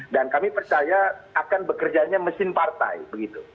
dan kami percaya akan bekerjanya mesin partai begitu